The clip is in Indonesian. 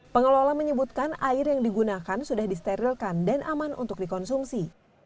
pengelola menyebutkan air yang digunakan sudah disterilkan dan aman untuk dikonsumsi